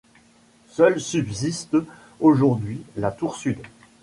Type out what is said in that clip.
Seule subsiste aujourd'hui, la tour sud.